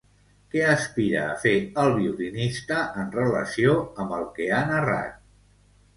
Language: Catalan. Què aspira a fer el violinista en relació amb el que ha narrat?